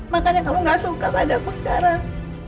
makanya kamu nggak suka padaku sekarang